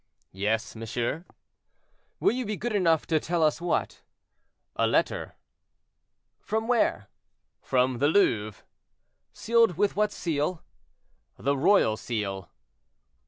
"Yes, monsieur." "Will you be good enough to tell us what?" "A letter." "From where?" "From the Louvre." "Sealed with what seal?" "The royal seal."